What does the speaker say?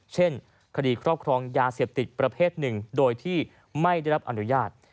เช่นคดีครอบครองยาเสพติดประเภทหนึ่งโดยที่ไม่ได้รับอนุญาต